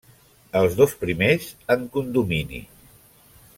Els dos primers, en condomini.